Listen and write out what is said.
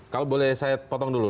kalau boleh saya potong dulu